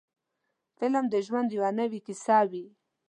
فلم د ژوند یوه نوې کیسه وي.